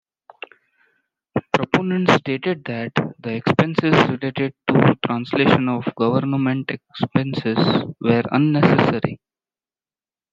Proponents stated that the expenses related to translation of governmental expenses were unnecessary.